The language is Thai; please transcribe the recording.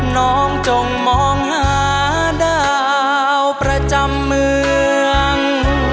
น้องจงมองหาดาวประจำเมือง